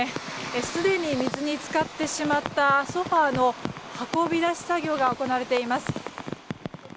すでに水に浸かってしまったソファの運び出し作業が行われています。